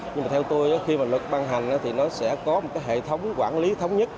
nhưng mà theo tôi khi mà luật ban hành thì nó sẽ có một cái hệ thống quản lý thống nhất